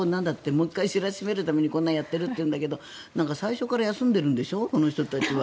もう１回知らしめるためにこんなのをやっているというんだけど最初から休んでるんでしょこの人たちは。